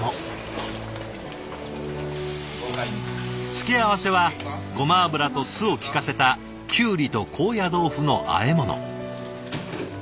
付け合わせはごま油と酢を利かせたきゅうりと高野豆腐のあえ物。